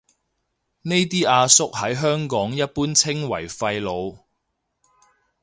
呢啲阿叔喺香港一般稱為廢老